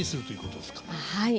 はい。